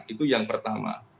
itu yang pertama